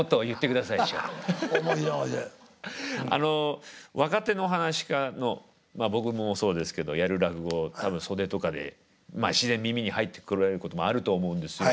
あの若手の噺家の僕もそうですけどやる落語を多分袖とかでまあ自然耳に入ってこられることもあると思うんですよ。